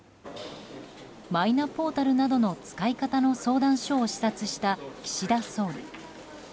マイナポータルなどの使い方の相談所を視察した岸田総理。